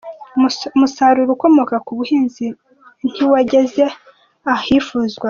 Umusaruro ukomoka ku buhinzi ntiwageze ahifuzwaga.